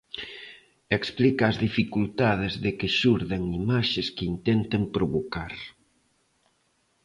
E explica as dificultades de que xurdan imaxes que intenten provocar.